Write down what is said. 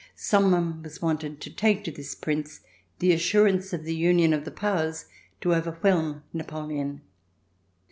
Some one was wanted to take to this Prince the assurance of the union of the Powers to overwhelm Napoleon.